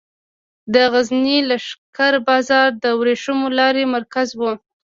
د غزني لښکر بازار د ورېښمو لارې مرکز و